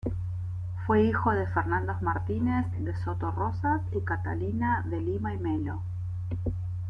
Fue hijo de Fernando Martínez de Soto Rozas y Catalina de Lima y Melo.